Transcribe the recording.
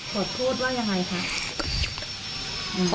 ขอโทษว่ายังไงคะ